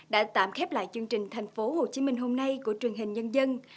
đã tạm khép lại chương trình thành phố hồ chí minh hôm nay của truyền hình nhân dân